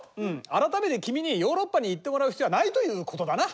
改めて君にヨーロッパに行ってもらう必要はないということだな。